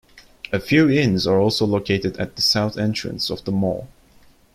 A few inns are also located at the south entrance of the mall.